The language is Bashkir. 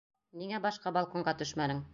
Ниңә башҡа балконға төшмәнең?